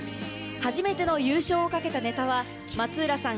初めての優勝を懸けたネタは松浦さん